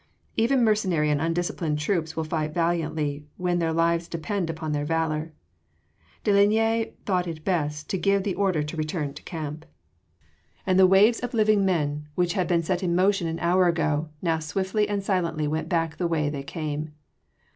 Even mercenary and undisciplined troops will fight valiantly when their lives depend upon their valour. De Linea thought it best to give the order to return to camp. And the waves of living men which had been set in motion an hour ago, now swiftly and silently went back the way they came.